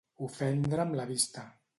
Ofendre amb la vista.